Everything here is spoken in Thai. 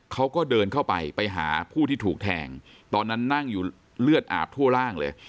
เขาก็เดินเข้าไปไปหาผู้ที่ถูกแทงตอนนั้นนั่งอยู่เลือดอาบทั่วร่างเลย